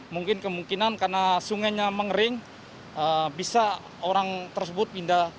mungkin kemungkinan karena sungainya mengering bisa orang tersebut pindah aluan mungkin ke